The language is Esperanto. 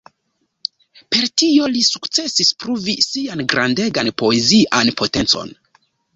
Per tio li sukcesis pruvi sian grandegan poezian potencon.